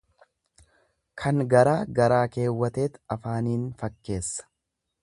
Kan garaa garaa kaawwateet afaaniin fakkeessa.